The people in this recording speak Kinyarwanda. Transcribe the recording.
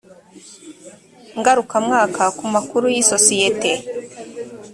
ngarukamwaka ku makuru y isosiyete